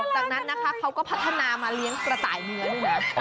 จากนั้นนะคะเขาก็พัฒนามาเลี้ยงกระต่ายเนื้อด้วยนะ